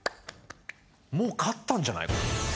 もう勝ったんじゃない？